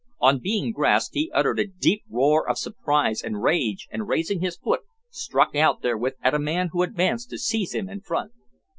On being grasped he uttered a deep roar of surprise and rage, and, raising his foot, struck out therewith at a man who advanced to seize him in front.